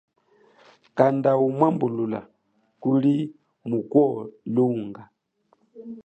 Kanda umwambulula kuli muko lunga.